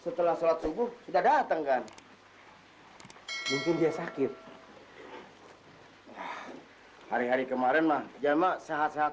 setelah sholat subuh kita datang kan mungkin dia sakit hari hari kemarin mah jamaah sehat saat